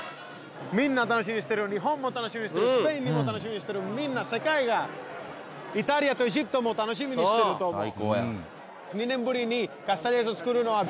みんな楽しみにしてる日本も楽しみにしてるスペインも楽しみにしてるみんな世界がイタリアの人も楽しみにしてると思う。